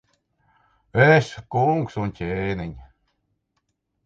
Es, kungs un ķēniņ!